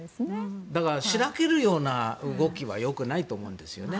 しらけるような動きは良くないと思うんですよね。